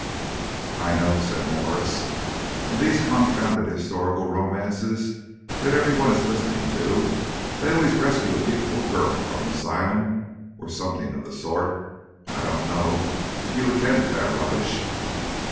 "I know," said Mwres. "In these confounded historical romances that every one is listening to, they always rescue a beautiful girl from an asylum or something of the sort. I don't know if you attend to that rubbish."